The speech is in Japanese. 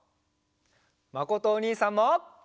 まことおにいさんも。